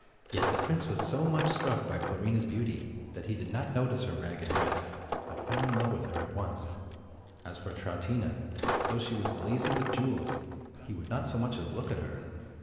Yet the prince was so much struck by Fio rina's beauty, that he did not notice her ragged dress, but fell in love with her at once. As for Troutina, though she was blazing with jewels, he would not so much as look at her.